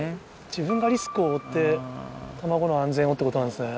自分がリスクを負って卵の安全をってことなんですね。